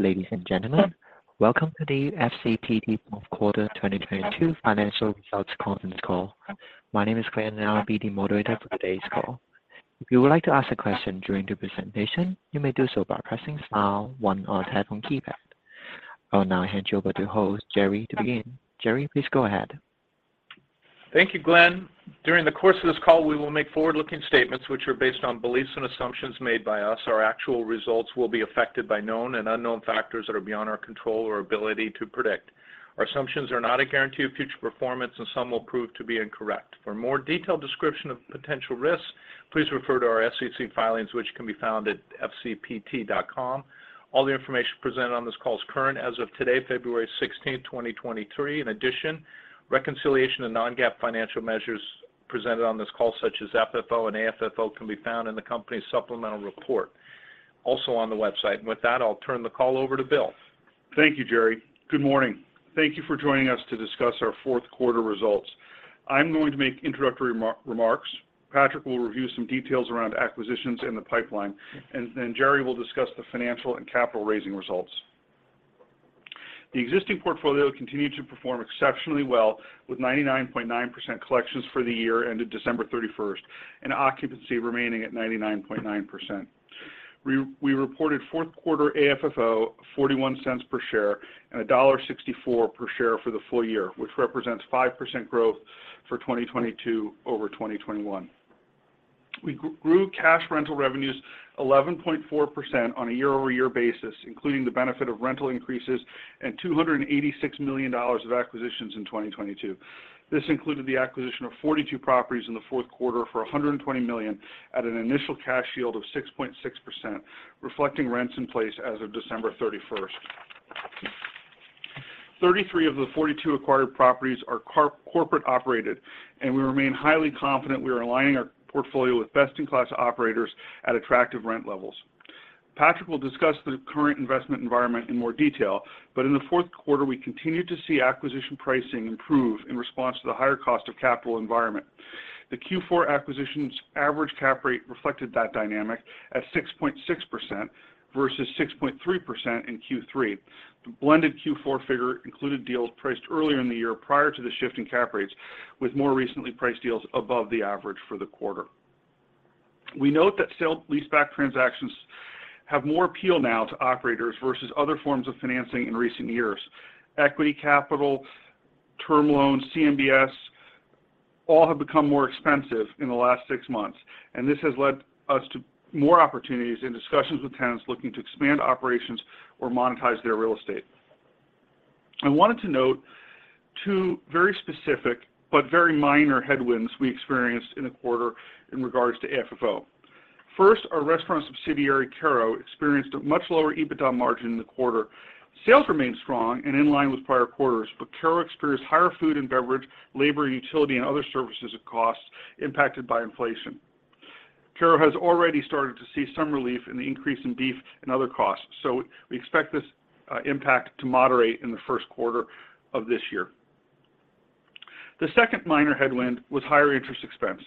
Ladies and gentlemen, welcome to the FCPT Q4 2022 Financial Results Conference Call. My name is Glenn, and I'll be the moderator for today's call. If you would like to ask a question during the presentation, you may do so by pressing star one on your telephone keypad. I'll now hand you over to host, Gerry, to begin. Gerry, please go ahead. Thank you, Glenn. During the course of this call, we will make forward-looking statements which are based on beliefs and assumptions made by us. Our actual results will be affected by known and unknown factors that are beyond our control or ability to predict. Our assumptions are not a guarantee of future performance, and some will prove to be incorrect. For more detailed description of potential risks, please refer to our SEC filings, which can be found at fcpt.com. All the information presented on this call is current as of today, February 16, 2023. In addition, reconciliation of non-GAAP financial measures presented on this call such as FFO and AFFO, can be found in the company's supplemental report, also on the website. With that, I'll turn the call over to Bill. Thank you, Gerry. Good morning. Thank you for joining us to discuss our Q4 results. I'm going to make introductory remarks. Patrick will review some details around acquisitions in the pipeline, and then Gerry will discuss the financial and capital-raising results. The existing portfolio continued to perform exceptionally well with 99.9% collections for the year ended December 31 and occupancy remaining at 99.9%. We reported Q4 AFFO $0.41 per share and $1.64 per share for the full year, which represents 5% growth for 2022 over 2021. We grew cash rental revenues 11.4% on a year-over-year basis, including the benefit of rental increases and $286 million of acquisitions in 2022. This included the acquisition of 42 properties in Q4 for $120 million at an initial cash yield of 6.6%, reflecting rents in place as of December 31. 33 of the 42 acquired properties are corporate operated. We remain highly confident we are aligning our portfolio with best-in-class operators at attractive rent levels. Patrick will discuss the current investment environment in more detail. In Q4, we continued to see acquisition pricing improve in response to the higher cost of capital environment. Q4 acquisition's average cap rate reflected that dynamic at 6.6% versus 6.3% in Q3. The blended Q4 figure included deals priced earlier in the year prior to the shift in cap rates, with more recently priced deals above the average for the quarter. We note that sale leaseback transactions have more appeal now to operators versus other forms of financing in recent years. Equity capital, term loans, CMBS, all have become more expensive in the last six months. This has led us to more opportunities in discussions with tenants looking to expand operations or monetize their real estate. I wanted to note two very specific but very minor headwinds we experienced in the quarter in regards to FFO. First, our restaurant subsidiary, Kerrow, experienced a much lower EBITDA margin in the quarter. Sales remained strong and in line with prior quarters. Kerrow experienced higher food and beverage, labor, utility, and other services of cost impacted by inflation. Kerrow has already started to see some relief in the increase in beef and other costs. We expect this impact to moderate in the first quarter of this year. The second minor headwind was higher interest expense.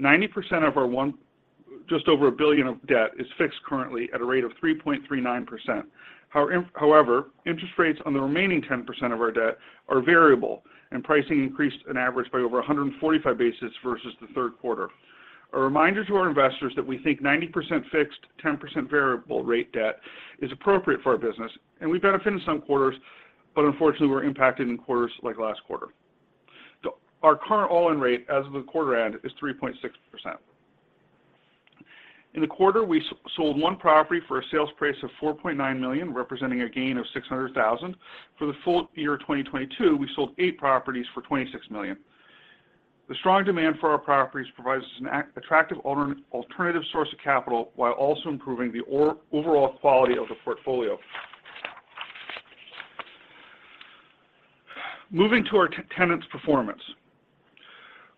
90% of our just over $1 billion of debt is fixed currently at a rate of 3.39%. However, interest rates on the remaining 10% of our debt are variable, and pricing increased on average by over 145 basis points versus Q3. A reminder to our investors that we think 90% fixed, 10% variable rate debt is appropriate for our business, and we benefit in some quarters, but unfortunately, we're impacted in quarters like last quarter. Our current all-in rate as of the quarter end is 3.6%. In the quarter, we sold one property for a sales price of $4.9 million, representing a gain of $600,000. For the full year of 2022, we sold eight properties for $26 million. The strong demand for our properties provides us an attractive alternative source of capital while also improving the overall quality of the portfolio. Moving to our tenant's performance.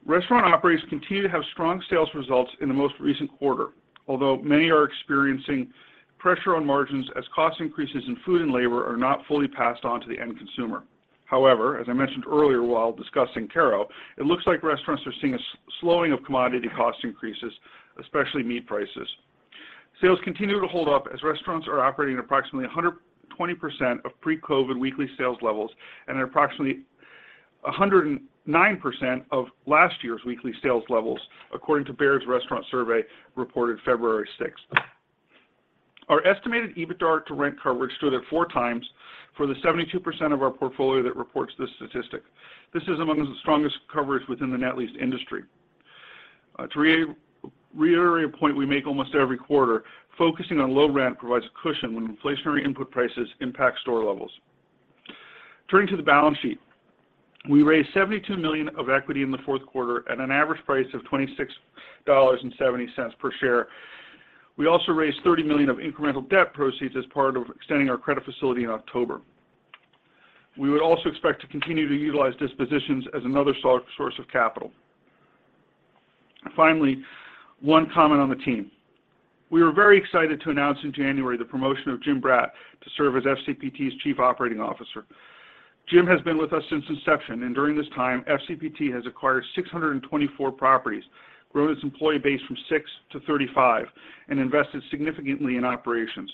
Restaurant operators continue to have strong sales results in the most recent quarter. Although many are experiencing pressure on margins as cost increases in food and labor are not fully passed on to the end consumer. However, as I mentioned earlier while discussing Kerrow, it looks like restaurants are seeing a slowing of commodity cost increases, especially meat prices. Sales continue to hold up as restaurants are operating at approximately 120% of pre-COVID weekly sales levels and at approximately 109% of last year's weekly sales levels, according to Baird's Restaurant Survey, reported February 6. Our estimated EBITDAR to rent coverage stood at 4x for the 72% of our portfolio that reports this statistic. This is among the strongest coverage within the net lease industry. To reiterate a point we make almost every quarter, focusing on low rent provides a cushion when inflationary input prices impact store levels. Turning to the balance sheet. We raised $72 million of equity in Q4 at an average price of $26.70 per share. We also raised $30 million of incremental debt proceeds as part of extending our credit facility in October. We would also expect to continue to utilize dispositions as another source of capital. Finally, one comment on the team. We were very excited to announce in January the promotion of James Brat to serve as FCPT's Chief Operating Officer. Jim has been with us since inception. During this time, FCPT has acquired 624 properties, grown its employee base from six to 35, and invested significantly in operations.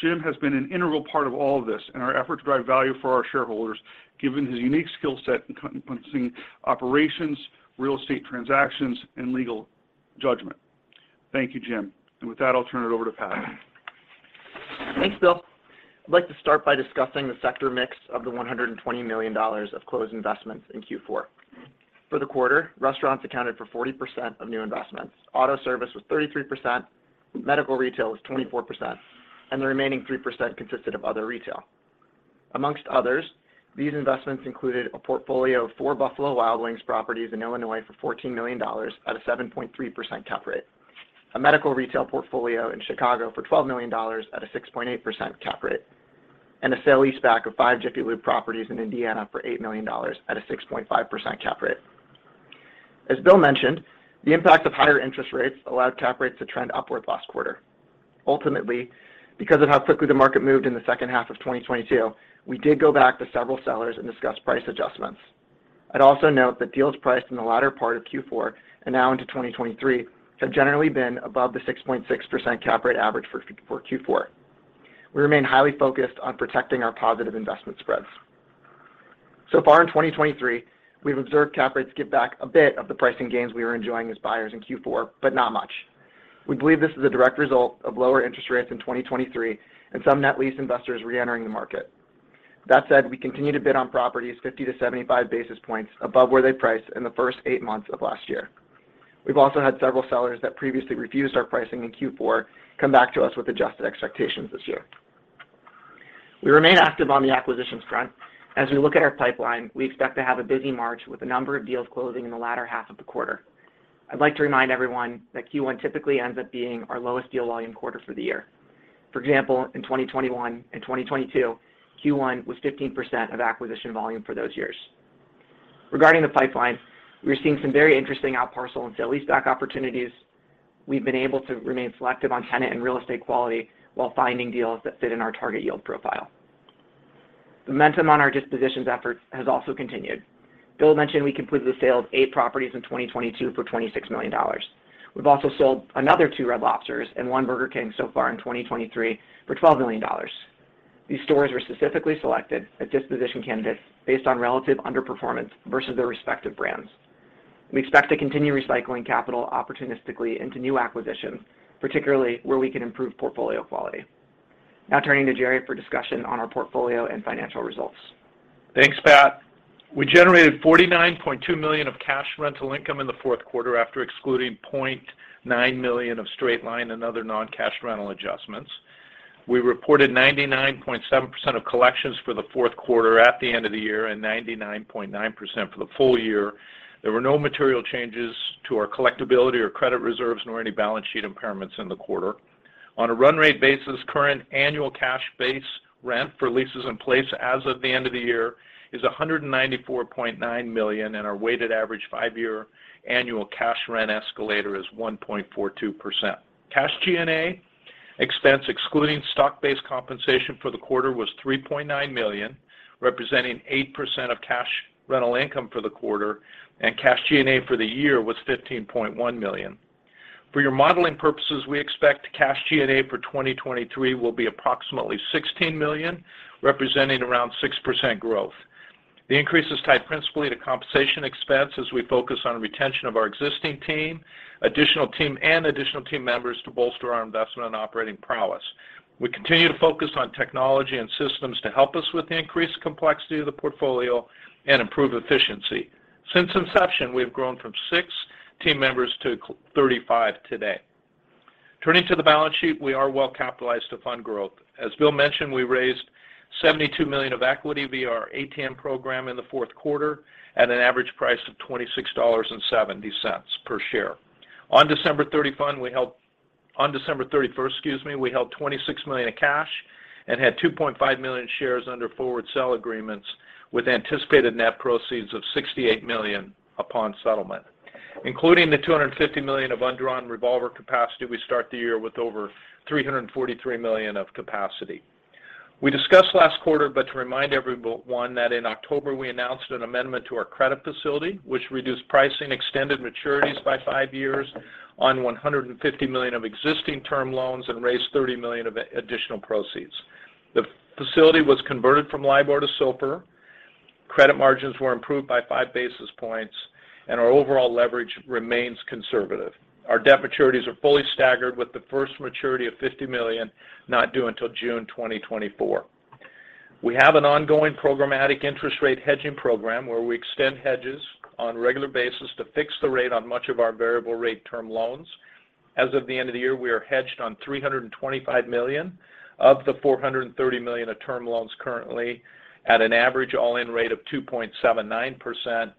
Jim has been an integral part of all of this in our effort to drive value for our shareholders, given his unique skill set in compensating operations, real estate transactions, and legal judgment. Thank you, Jim. With that, I'll turn it over to Pat. Thanks, Bill. I'd like to start by discussing the sector mix of the $120 million of closed investments in Q4. For the quarter, restaurants accounted for 40% of new investments. Auto service was 33%. Medical retail was 24%, the remaining 3% consisted of other retail. Amongst others, these investments included a portfolio of four Buffalo Wild Wings properties in Illinois for $14 million at a 7.3% cap rate, a medical retail portfolio in Chicago for $12 million at a 6.8% cap rate, a sale leaseback of five Jiffy Lube properties in Indiana for $8 million at a 6.5% cap rate. As Bill mentioned, the impact of higher interest rates allowed cap rates to trend upward last quarter. Ultimately, because of how quickly the market moved in the second half of 2022, we did go back to several sellers and discuss price adjustments. I'd also note that deals priced in the latter part of Q4 and now into 2023 have generally been above the 6.6% cap rate average for Q4. We remain highly focused on protecting our positive investment spreads. In 2023, we've observed cap rates give back a bit of the pricing gains we were enjoying as buyers in Q4, but not much. We believe this is a direct result of lower interest rates in 2023 and some net lease investors reentering the market. We continue to bid on properties 50 to 75 basis points above where they priced in the first eight months of last year. We've also had several sellers that previously refused our pricing in Q4 come back to us with adjusted expectations this year. We remain active on the acquisitions front. We look at our pipeline, we expect to have a busy March with a number of deals closing in the latter half of the quarter. I'd like to remind everyone that Q1 typically ends up being our lowest deal volume quarter for the year. In 2021 and 2022, Q1 was 15% of acquisition volume for those years. Regarding the pipeline, we're seeing some very interesting outparcel and sale leaseback opportunities. We've been able to remain selective on tenant and real estate quality while finding deals that fit in our target yield profile. Momentum on our dispositions efforts has also continued. Bill mentioned we completed the sale of eight properties in 2022 for $26 million. We've also sold another two Red Lobsters and one Burger King so far in 2023 for $12 million. These stores were specifically selected as disposition candidates based on relative underperformance versus their respective brands. We expect to continue recycling capital opportunistically into new acquisitions, particularly where we can improve portfolio quality. Turning to Gerry for discussion on our portfolio and financial results. Thanks, Pat. We generated $49.2 million of cash rental income in Q4 after excluding $0.9 million of straight line and other non-cash rental adjustments. We reported 99.7% of collections for Q4 at the end of the year and 99.9% for the full year. There were no material changes to our collectibility or credit reserves nor any balance sheet impairments in the quarter. On a run rate basis, current annual cash base rent for leases in place as of the end of the year is $194.9 million, and our weighted average five-year annual cash rent escalator is 1.42%. Cash G&A expense excluding stock-based compensation for the quarter was $3.9 million, representing 8% of cash rental income for the quarter, and cash G&A for the year was $15.1 million. For your modeling purposes, we expect cash G&A for 2023 will be approximately $16 million, representing around 6% growth. The increase is tied principally to compensation expense as we focus on retention of our existing team, additional team, and additional team members to bolster our investment and operating prowess. We continue to focus on technology and systems to help us with the increased complexity of the portfolio and improve efficiency. Since inception, we've grown from six team members to 35 today. Turning to the balance sheet, we are well-capitalized to fund growth. As Bill mentioned, we raised $72 million of equity via our ATM program in Q4 at an average price of $26.70 per share. On December 31, excuse me, we held $26 million of cash and had 2.5 million shares under forward sell agreements with anticipated net proceeds of $68 million upon settlement. Including the $250 million of undrawn revolver capacity, we start the year with over $343 million of capacity. We discussed last quarter, but to remind everyone that in October we announced an amendment to our credit facility, which reduced pricing, extended maturities by five years on $150 million of existing term loans, and raised $30 million of additional proceeds. The facility was converted from LIBOR to SOFR. Credit margins were improved by five basis points, and our overall leverage remains conservative. Our debt maturities are fully staggered with the first maturity of $50 million not due until June 2024. We have an ongoing programmatic interest rate hedging program where we extend hedges on a regular basis to fix the rate on much of our variable rate term loans. As of the end of the year, we are hedged on $325 million of the 430 million of term loans currently at an average all-in rate of 2.79%.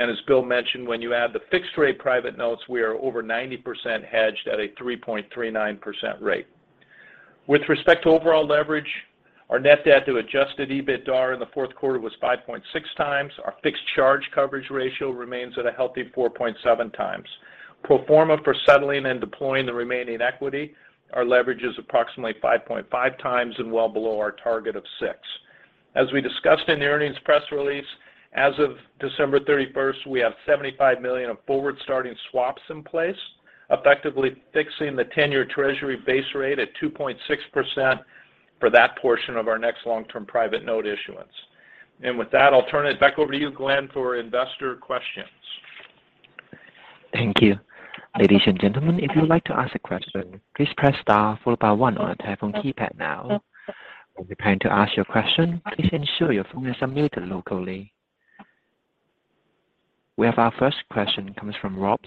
As Bill mentioned, when you add the fixed rate private notes, we are over 90% hedged at a 3.39% rate. With respect to overall leverage, our net debt to Adjusted EBITDA in Q4 was 5.6x. Our fixed charge coverage ratio remains at a healthy 4.7x. Pro forma for settling and deploying the remaining equity, our leverage is approximately 5.5x and well below our target of 6x. As we discussed in the earnings press release, as of December 31, we have $75 million of forward starting swaps in place, effectively fixing the 10-year treasury base rate at 2.6% for that portion of our next long-term private note issuance. With that, I'll turn it back over to you, Glenn, for investor questions. Thank you. Ladies and gentlemen, if you would like to ask a question, please press star followed by one on your telephone keypad now. When preparing to ask your question, please ensure your phone is unmuted locally. We have our first question coming from Rob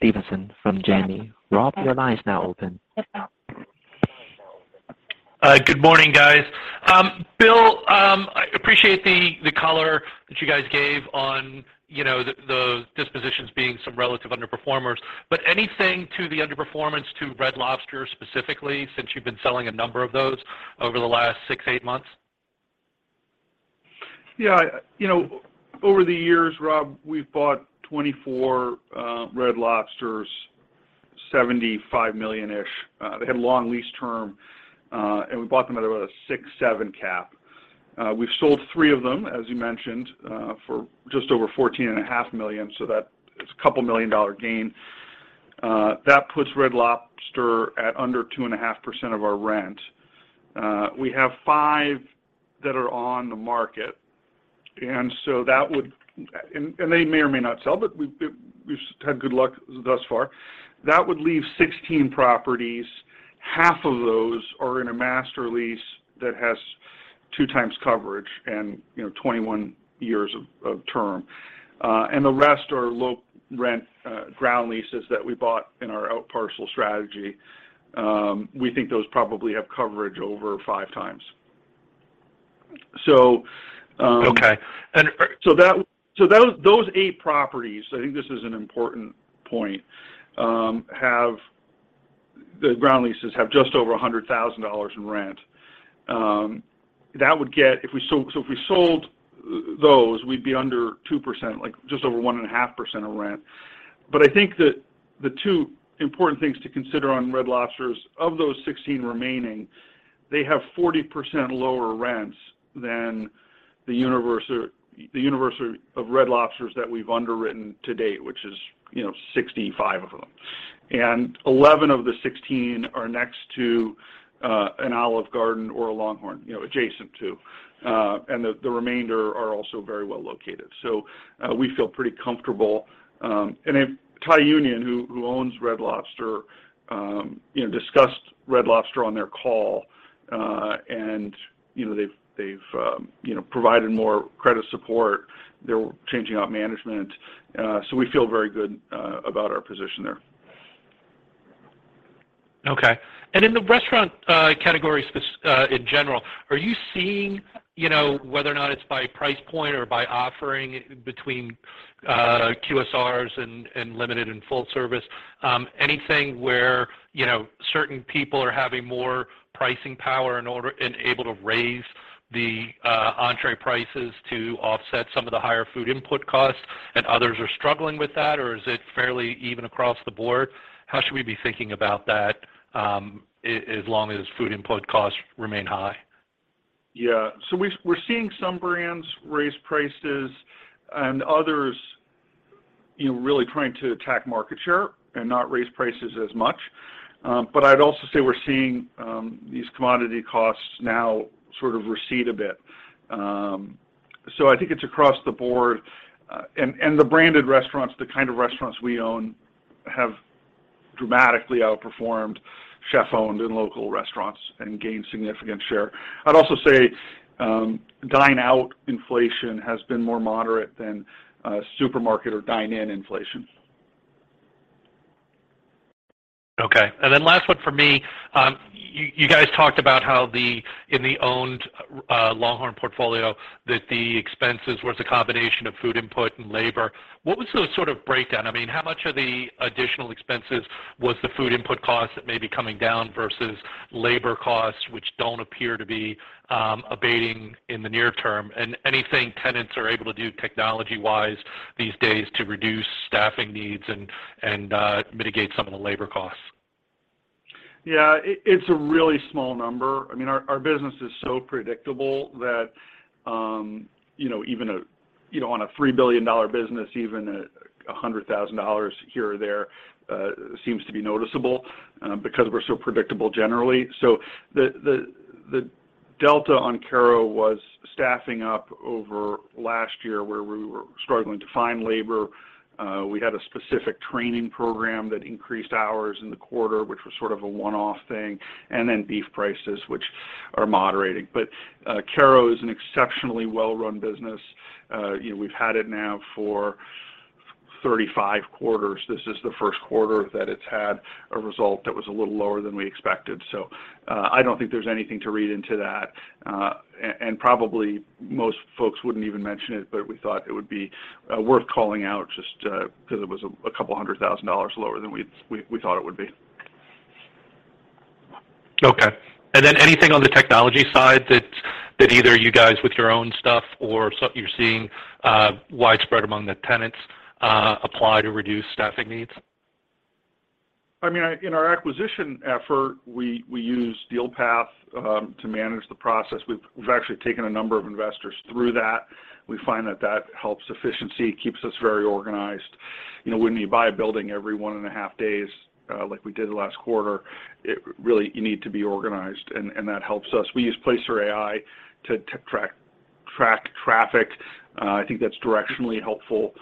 Stevenson from Janney. Rob, your line is now open. Good morning, guys. Bill, I appreciate the color that you guys gave on, you know, the dispositions being some relative underperformers. Anything to the underperformance to Red Lobster specifically, since you've been selling a number of those over the last six, eight months? You know, over the years, Rob, we've bought 24 Red Lobsters, $75 million-ish. They had long lease term, and we bought them at about a six, seven cap. We've sold three of them, as you mentioned, for just over $14.5 million, so that is a couple million dollar gain. That puts Red Lobster at under 2.5% of our rent. We have five that are on the market, so they may or may not sell, but we've had good luck thus far. That would leave 16 properties. Half of those are in a master lease that has 2x coverage and, you know, 21 years of term. The rest are low rent, ground leases that we bought in our out parcel strategy. We think those probably have coverage over 5x. Okay. Those eight properties, I think this is an important point, the ground leases have just over $100,000 in rent. If we sold those, we'd be under 2%, like just over 1.5% of rent. I think that the two important things to consider on Red Lobsters, of those 16 remaining, they have 40% lower rents than the universe of Red Lobsters that we've underwritten to date, which is, you know, 65 of them. Eleven of the 16 are next to an Olive Garden or a LongHorn, you know, adjacent to, and the remainder are also very well located. We feel pretty comfortable. Thai Union, who owns Red Lobster, you know, discussed Red Lobster on their call. You know, they've, you know, provided more credit support. They're changing out management. We feel very good about our position there. Okay. In the restaurant category in general, are you seeing, you know, whether or not it's by price point or by offering between QSRs and limited and full service, anything where, you know, certain people are having more pricing power and able to raise the entree prices to offset some of the higher food input costs and others are struggling with that, or is it fairly even across the board? How should we be thinking about that as long as food input costs remain high? Yeah. We're seeing some brands raise prices and others, you know, really trying to attack market share and not raise prices as much. I'd also say we're seeing these commodity costs now sort of recede a bit. I think it's across the board. The branded restaurants, the kind of restaurants we own, have dramatically outperformed chef-owned and local restaurants and gained significant share. I'd also say dine out inflation has been more moderate than supermarket or dine-in inflation. Okay. Last one from me. You guys talked about how the, in the owned, LongHorn portfolio that the expenses was a combination of food input and labor. What was the sort of breakdown? I mean, how much of the additional expenses was the food input costs that may be coming down versus labor costs, which don't appear to be abating in the near term? Anything tenants are able to do technology-wise these days to reduce staffing needs and mitigate some of the labor costs. Yeah. It's a really small number. I mean, our business is so predictable that, you know, even a, you know, on a $3 billion business, even 100,000 here or there seems to be noticeable, because we're so predictable generally. The delta on Kerrow was staffing up over last year, where we were struggling to find labor. We had a specific training program that increased hours in the quarter, which was sort of a one-off thing, and then beef prices, which are moderating. Kerrow is an exceptionally well-run business. You know, we've had it now for 35 quarters. This is the first quarter that it's had a result that was a little lower than we expected. I don't think there's anything to read into that. Probably most folks wouldn't even mention it, but we thought it would be worth calling out just because it was $200,000 lower than we thought it would be. Okay. Then anything on the technology side that either you guys with your own stuff or you're seeing widespread among the tenants, apply to reduce staffing needs? I mean, in our acquisition effort, we use Dealpath to manage the process. We've actually taken a number of investors through that. We find that that helps efficiency, keeps us very organized. You know, when you buy a building every one and a half days, like we did last quarter, it really you need to be organized, and that helps us. We use Placer.ai to track traffic. I think that's directionally helpful.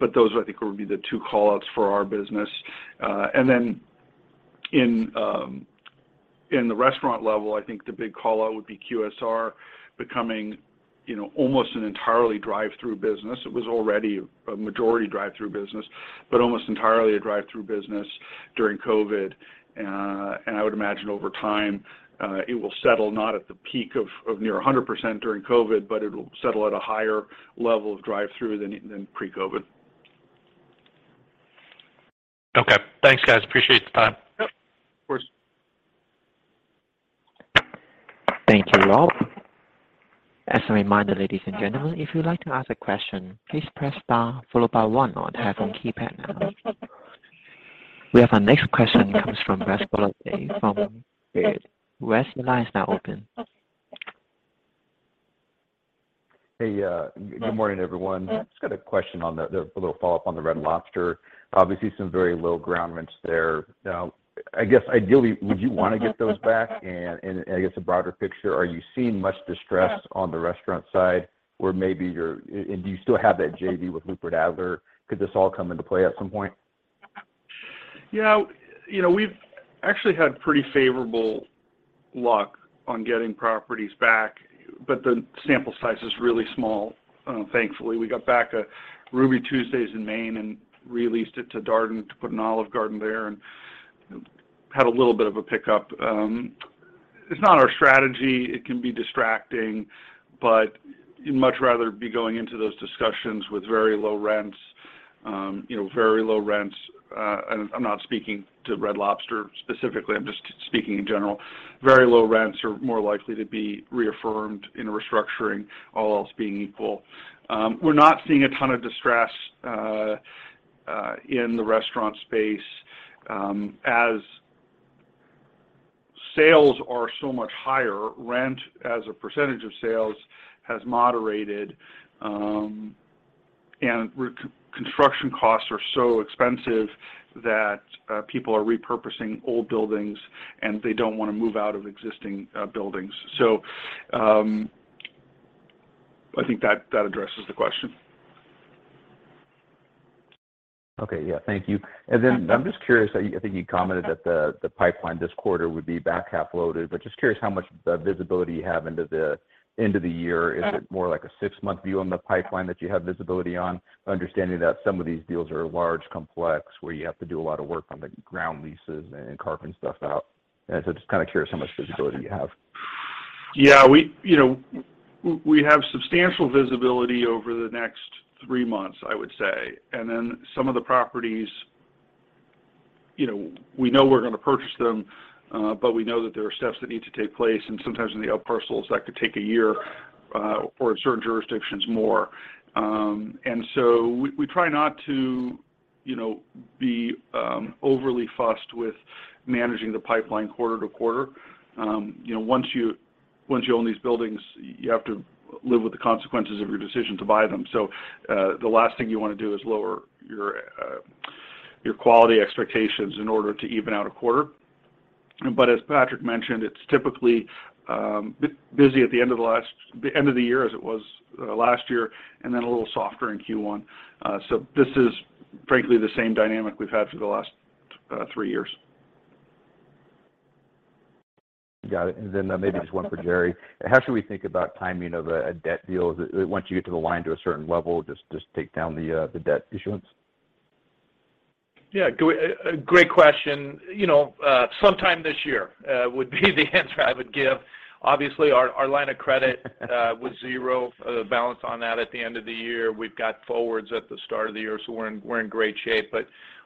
But those, I think, would be the two call-outs for our business. Then in the restaurant level, I think the big call-out would be QSR becoming, you know, almost an entirely drive-through business. It was already a majority drive-through business, but almost entirely a drive-through business during COVID. I would imagine over time, it will settle not at the peak of near 100% during COVID, but it'll settle at a higher level of drive-through than pre-COVID. Okay. Thanks, guys. Appreciate the time. Yep. Of course. Thank you, Rob. As a reminder, ladies and gentlemen, if you'd like to ask a question, please press star followed by one on your telephone keypad now. We have our next question comes from Wesley Golladay from Baird. Wes, your line is now open. Hey. Good morning, everyone. Just got a question on a little follow-up on the Red Lobster. Obviously, some very low ground rents there. I guess, ideally, would you wanna get those back? I guess a broader picture, are you seeing much distress on the restaurant side? Do you still have that JV with Lubert-Adler? Could this all come into play at some point? You know, we've actually had pretty favorable luck on getting properties back, but the sample size is really small, thankfully. We got back a Ruby Tuesday in Maine and re-leased it to Darden to put an Olive Garden there and had a little bit of a pickup. It's not our strategy. It can be distracting, but you'd much rather be going into those discussions with very low rents, you know, very low rents. I'm not speaking to Red Lobster specifically, I'm just speaking in general. Very low rents are more likely to be reaffirmed in restructuring, all else being equal. We're not seeing a ton of distress in the restaurant space. As sales are so much higher, rent as a percentage of sales has moderated, and construction costs are so expensive that people are repurposing old buildings, and they don't wanna move out of existing buildings. I think that addresses the question. Okay. Yeah. Thank you. I think you commented that the pipeline this quarter would be back half loaded, but just curious how much visibility you have into the end of the year. Is it more like a six-month view on the pipeline that you have visibility on? Understanding that some of these deals are large, complex, where you have to do a lot of work on the ground leases and carve and stuff out. Just kind of curious how much visibility you have. Yeah. We, you know, we have substantial visibility over the next three months, I would say. Then some of the properties, you know, we know we're gonna purchase them, but we know that there are steps that need to take place, and sometimes in the out parcels, that could take one year, or in certain jurisdictions more. So we try not to, you know, be overly fussed with managing the pipeline quarter to quarter. You know, once you, once you own these buildings, you have to live with the consequences of your decision to buy them. The last thing you wanna do is lower your quality expectations in order to even out a quarter. As Patrick mentioned, it's typically busy at the end of the year as it was last year, and then a little softer in Q1. This is frankly the same dynamic we've had for the last three years. Got it. Then maybe just one for Gerry. How should we think about timing of a debt deal? Once you get to the line to a certain level, just take down the debt issuance? Yeah. Great question. You know, sometime this year would be the answer I would give. Obviously, our line of credit with zero balance on that at the end of the year. We've got forwards at the start of the year, we're in great shape.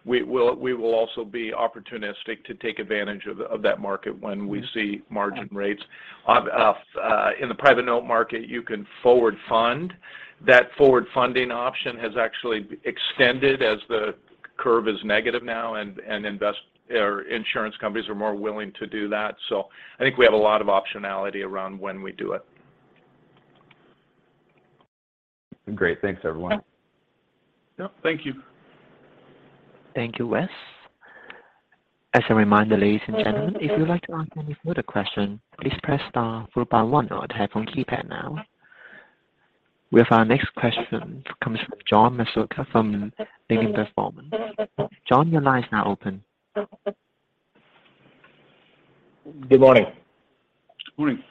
We will also be opportunistic to take advantage of that market when we see margin rates. In the private note market, you can forward fund. That forward funding option has actually extended as the curve is negative now and or insurance companies are more willing to do that. I think we have a lot of optionality around when we do it. Great. Thanks, everyone. Yep. Thank you. Thank you, Wes. As a reminder, ladies and gentlemen, if you would like to ask any further question, please press star followed by one on your telephone keypad now. Our next question comes from John Massocca from B. Riley. John, your line is now open. Good morning. Morning.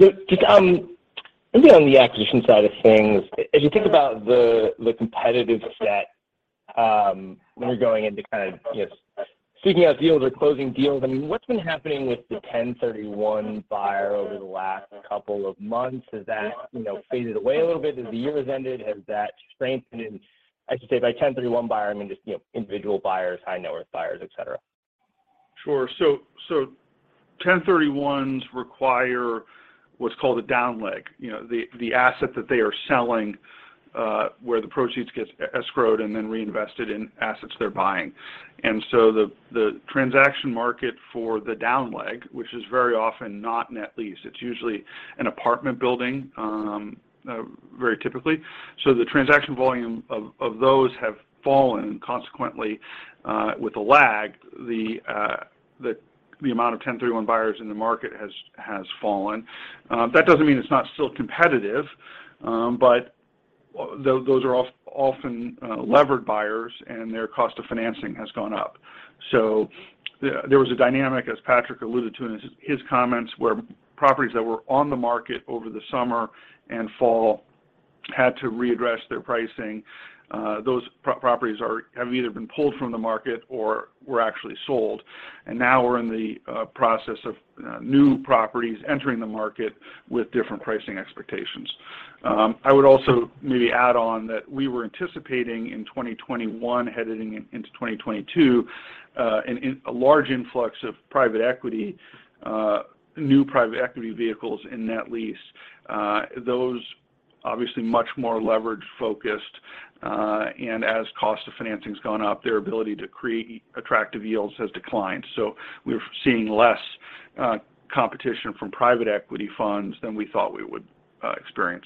Just, maybe on the acquisition side of things, as you think about the competitive set, when you're going into kind of, you know, seeking out deals or closing deals, I mean, what's been happening with the 1031 buyer over the last couple of months? Has that, you know, faded away a little bit as the year has ended? Has that strengthened? I should say by 1031 buyer, I mean just, you know, individual buyers, high net worth buyers, et cetera. Sure. 1031s require what's called a down leg. You know, the asset that they are selling, where the proceeds gets escrowed and then reinvested in assets they're buying. The transaction market for the down leg, which is very often not net leased, it's usually an apartment building, very typically. The transaction volume of those have fallen consequently, with a lag. The amount of 1031 buyers in the market has fallen. That doesn't mean it's not still competitive, but those are often levered buyers and their cost of financing has gone up. There was a dynamic, as Patrick alluded to in his comments, where properties that were on the market over the summer and fall had to readdress their pricing. Those properties have either been pulled from the market or were actually sold. Now we're in the process of new properties entering the market with different pricing expectations. I would also maybe add on that we were anticipating in 2021, heading into 2022, a large influx of private equity, new private equity vehicles in net lease. Those obviously much more leverage focused, and as cost of financing has gone up, their ability to create attractive yields has declined. We're seeing less competition from private equity funds than we thought we would experience.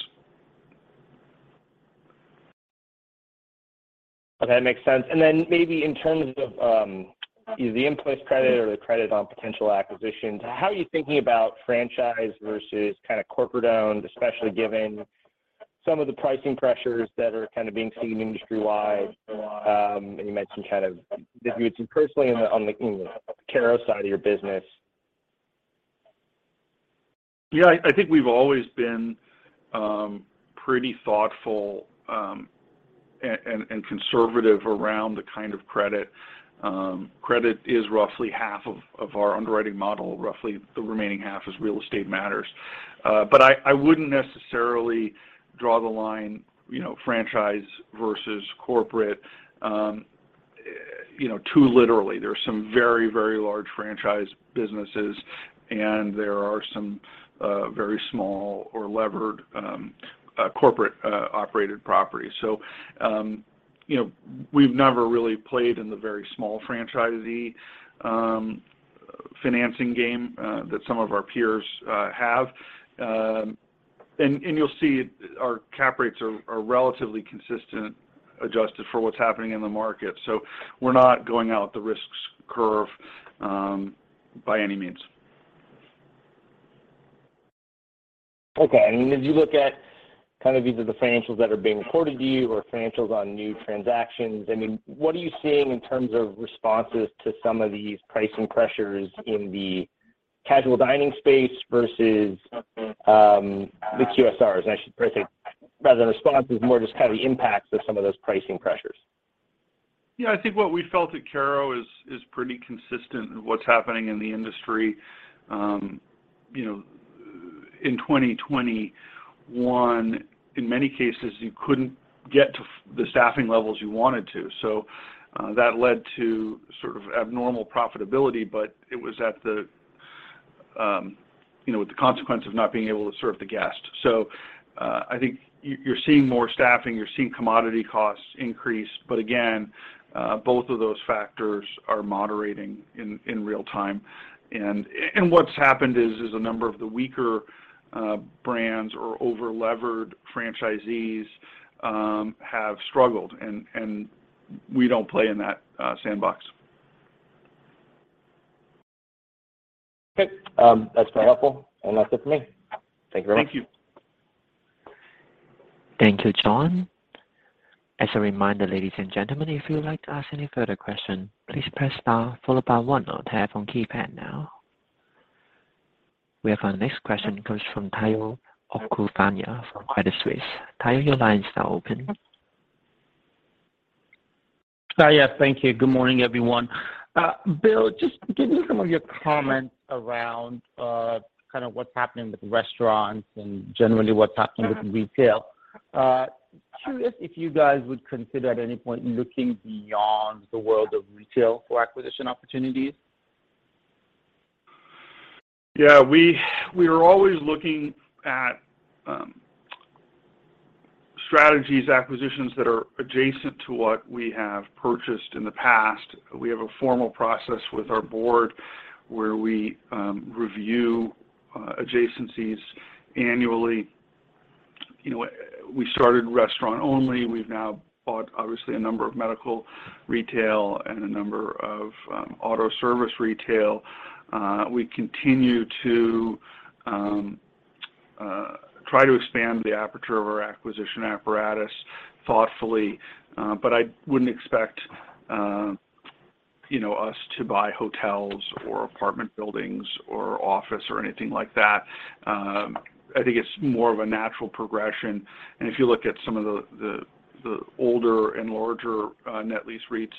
That makes sense. Maybe in terms of, either the in-place credit or the credit on potential acquisitions, how are you thinking about franchise versus kind of corporate owned, especially given some of the pricing pressures that are kind of being seen industry-wide? You mentioned kind of if you would see personally in the Kerrow side of your business. I think we've always been pretty thoughtful and conservative around the kind of credit. Credit is roughly half of our underwriting model. Roughly the remaining half is real estate matters. I wouldn't necessarily draw the line, you know, franchise versus corporate, you know, too literally. There are some very, very large franchise businesses, and there are some very small or levered corporate operated properties. You know, we've never really played in the very small franchisee financing game that some of our peers have. You'll see our cap rates are relatively consistent, adjusted for what's happening in the market. We're not going out the risks curve by any means. Okay. If you look at kind of either the financials that are being reported to you or financials on new transactions, I mean, what are you seeing in terms of responses to some of these pricing pressures in the casual dining space versus the QSRs? I should probably say rather than responses, more just kind of the impacts of some of those pricing pressures. Yeah. I think what we felt at Kerrow is pretty consistent in what's happening in the industry. you know, in 2021, in many cases, you couldn't get to the staffing levels you wanted to. I think you're seeing more staffing, you're seeing commodity costs increase. again, both of those factors are moderating in real time. and what's happened is a number of the weaker, brands or over-levered franchisees, have struggled and we don't play in that, sandbox. That's very helpful. That's it for me. Thank you very much. Thank you. Thank you, John. As a reminder, ladies and gentlemen, if you would like to ask any further question, please press star followed by one on telephone keypad now. We have our next question comes from Omotayo Okusanya from Credit Suisse. Tayo, your line is now open. Tayo. Thank you. Good morning, everyone. Bill, just give me some of your comments around, kind of what's happening with restaurants and generally what's happening with retail. Curious if you guys would consider at any point looking beyond the world of retail for acquisition opportunities? Yeah. We are always looking at strategies, acquisitions that are adjacent to what we have purchased in the past. We have a formal process with our board where we review adjacencies annually. You know, we started restaurant only. We've now bought obviously a number of medical retail and a number of auto service retail. We continue to try to expand the aperture of our acquisition apparatus thoughtfully. I wouldn't expect, you know, us to buy hotels or apartment buildings or office or anything like that. I think it's more of a natural progression. If you look at some of the older and larger net lease REITs,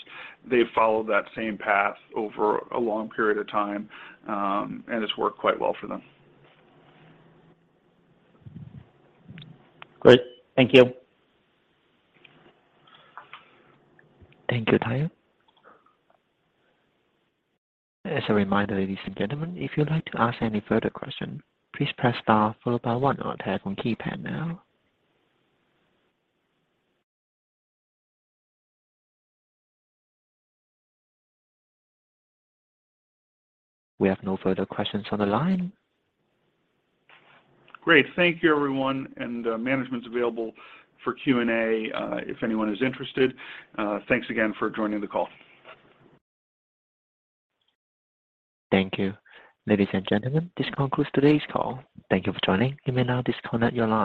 they've followed that same path over a long period of time, and it's worked quite well for them. Great. Thank you. Thank you, Tayo. As a reminder, ladies and gentlemen, if you'd like to ask any further question, please press star followed by one on telephone keypad now. We have no further questions on the line. Great. Thank you, everyone. Management's available for Q&A if anyone is interested. Thanks again for joining the call. Thank you. Ladies and gentlemen, this concludes today's call. Thank you for joining. You may now disconnect your line.